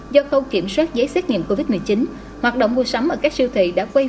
do khâu kiểm soát giấy xét nghiệm covid một mươi chín hoạt động mua sắm ở các siêu thị đã quay